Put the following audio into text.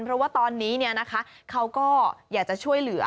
เพราะว่าตอนนี้เขาก็อยากจะช่วยเหลือ